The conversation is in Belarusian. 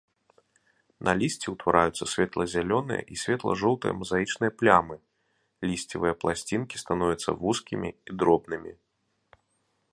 На лісці ўтвараюцца светла-зялёныя і светла-жоўтыя мазаічныя плямы, лісцевыя пласцінкі становяцца вузкімі і дробнымі.